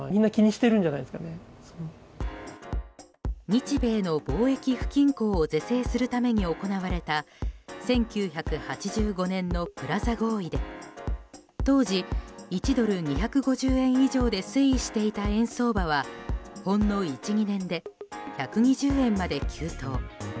日米の貿易不均衡を是正するために行われた１９８５年のプラザ合意で当時、１ドル＝２５０円以上で推移していた円相場はほんの１２年で１２０円まで急騰。